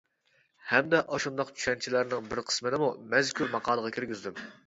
ھەمدە ئاشۇنداق چۈشەنچىلەرنىڭ بىر قىسمىنىمۇ مەزكۇر ماقالىغا كىرگۈزدۈم.